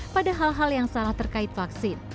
pada hal hal yang salah terkait vaksin